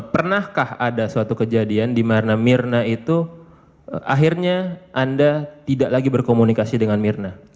pernahkah ada suatu kejadian di mana mirna itu akhirnya anda tidak lagi berkomunikasi dengan mirna